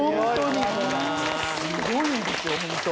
すごいんですよホント。